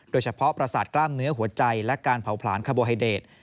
โดยเฉพาะปราสาทกล้ามเนื้อหัวใจและการเผาผลาญคาร์โบไฮเดท